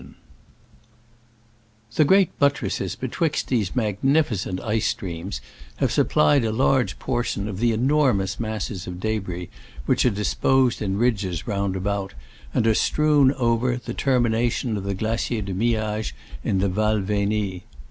] The great buttresses betwixt these magnificent ice streams have supplied a large portion of the enormous masses of debris which are disposed in ridges round about, and are strewn over, the termina tion of the Glacier de Miage in the Val Veni.